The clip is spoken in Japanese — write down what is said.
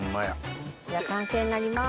こちら完成になります。